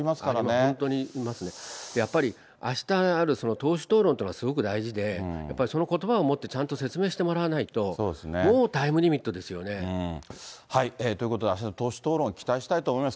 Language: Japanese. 本当にやっぱりあしたある党首討論というのがすごく大事で、やっぱりそのことばをもってちゃんと説明してもらわないと、もうということで、あしたの党首討論、期待したいと思います。